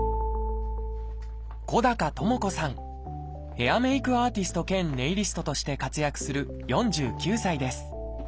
ヘアメイクアーティスト兼ネイリストとして活躍する４９歳です。